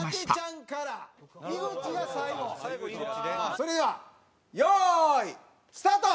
それでは用意スタート！